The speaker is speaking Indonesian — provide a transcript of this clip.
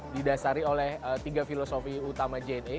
didasari oleh tiga filosofi utama jna